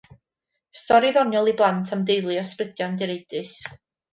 Stori ddoniol i blant am deulu o ysbrydion direidus.